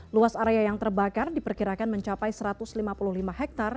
luas area yang terbakar diperkirakan mencapai satu ratus lima puluh lima hektare